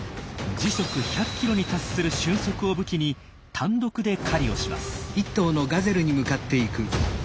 時速１００キロに達する俊足を武器に単独で狩りをします。